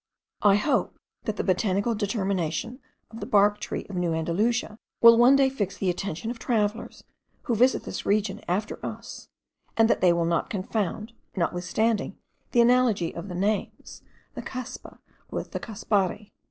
I hope that the botanical determination of the bark tree of New Andalusia will one day fix the attention of travellers, who visit this region after us; and that they will not confound, notwithstanding the analogy of the names, the cuspa with the cuspare.